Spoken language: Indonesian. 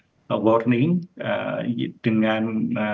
tadi share lagi you ally yang dari indonesia